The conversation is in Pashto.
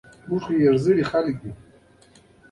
ما ورته وویل: زه اسنادو ته هیڅ اړتیا نه لرم.